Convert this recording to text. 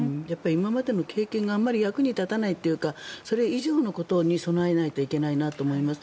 今までの経験があまり役に立たないというかそれ以上のことに備えないといけないなと思います。